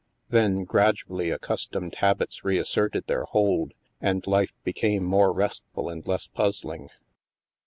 Then, gradually, accustomed habits reasserted their hold, and life became more restful and less puzzling.